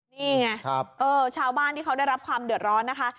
นี่ไงชาวบ้านที่เขาได้รับความเดือดร้อนนะคะ